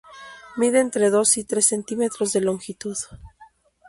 Mide entre dos y tres centímetros de longitud.